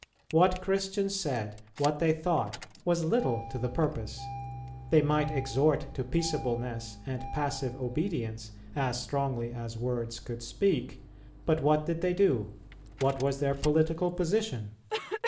what Christians said, what they thought, was little to the purpose. They might exhort to peaceableness and passive obedience as strongly as words could speak; but what did they do, what was their political position?